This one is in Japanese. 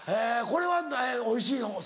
これはおいしいの？